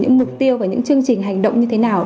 những mục tiêu và những chương trình hành động như thế nào